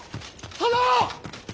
殿！